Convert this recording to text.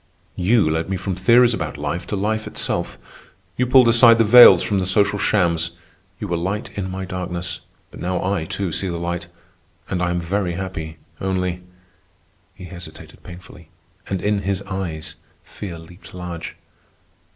You led me from theories about life to life itself. You pulled aside the veils from the social shams. You were light in my darkness, but now I, too, see the light. And I am very happy, only ..." he hesitated painfully, and in his eyes fear leaped large.